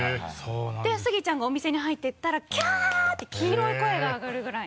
でスギちゃんがお店に入っていったら「キャッ！」て黄色い声があがるぐらい。